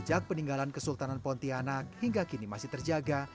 sejak peninggalan kesultanan pontianak hingga kini masih terjaga